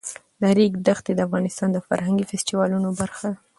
د ریګ دښتې د افغانستان د فرهنګي فستیوالونو برخه ده.